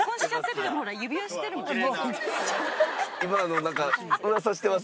今あのなんか噂してます。